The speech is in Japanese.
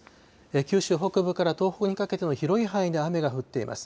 九州北部から東北にかけての広い範囲で雨が降っています。